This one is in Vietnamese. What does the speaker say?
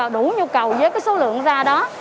đủ nhu cầu với cái số lượng ra đó